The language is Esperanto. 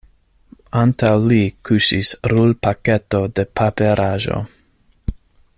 Antaŭ li kuŝis rulpaketo de paperaĵo.